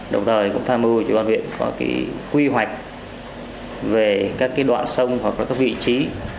đồng thời cũng tăng mưu cho ủy ban viện có quy hoạch về các đoạn sông hoặc các vị trí